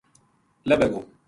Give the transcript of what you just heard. لبھے گو